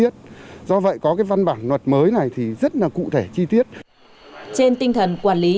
trên tinh thần quản lý